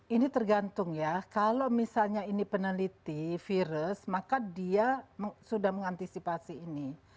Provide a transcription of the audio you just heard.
ini tergantung ya kalau misalnya ini peneliti virus maka dia sudah mengantisipasi ini